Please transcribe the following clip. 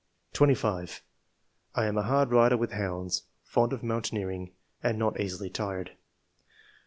25. '* I am a hard rider with hounds, fond of mountaineering, and not easily tired.